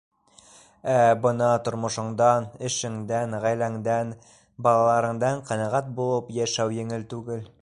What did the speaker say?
Ә бына тормошоңдан, эшеңдән, ғаиләңдән, балаларыңдан ҡәнәғәт булып йәшәү еңел түгел.